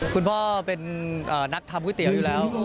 คุณพ่อเป็นนักทำก๋วยเตี๋ยวอยู่แล้ว